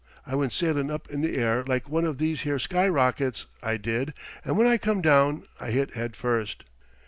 I went sailin' up in the air like one of these here skyrockets, I did, and when I come down I lit head first."